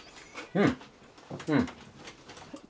うん。